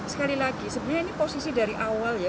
sekali lagi sebenarnya ini posisi dari awal ya